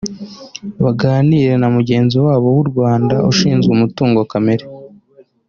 baganire na mugenzi wabo w’u Rwanda ushinzwe Umutungo Kamere